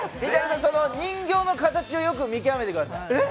人形の形をよく見極めてください。